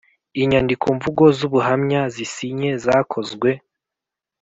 Inyandikomvugo z ubuhamya zisinye zakozwe